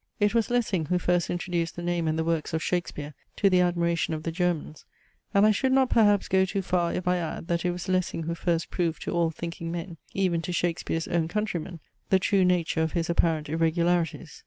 It was Lessing who first introduced the name and the works of Shakespeare to the admiration of the Germans; and I should not perhaps go too far, if I add, that it was Lessing who first proved to all thinking men, even to Shakespeare's own countrymen, the true nature of his apparent irregularities.